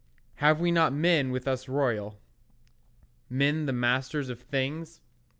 Have we not men with us royal, Men the masters of things?